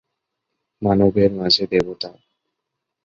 মানবের মাঝে দেবতা!